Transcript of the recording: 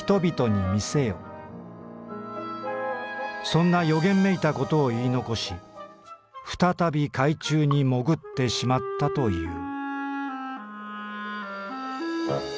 そんな予言めいたことをいい残し再び海中に潜ってしまったという」。